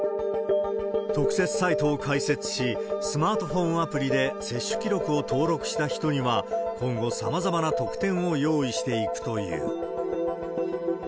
特設サイトを開設し、スマートフォンアプリで接種記録を登録した人には、今後、さまざまな特典を用意していくという。